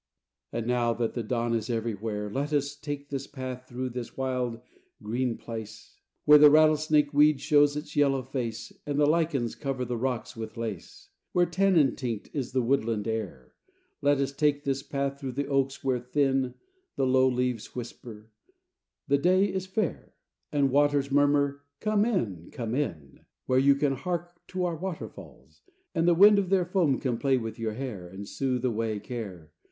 VI And now that the dawn is everywhere, Let us take this path through this wild, green place, Where the rattlesnake weed shows its yellow face, And the lichens cover the rocks with lace: Where tannin tinct is the woodland air, Let us take this path through the oaks where, thin, The low leaves whisper, "The day is fair"; And waters murmur, "Come in, come in, Where you can hark to our waterfalls, And the wind of their foam can play with your hair, And soothe away care.